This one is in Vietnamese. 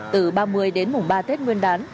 từ ba mươi đến mùng ba tết nguyên đán